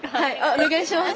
お願いします。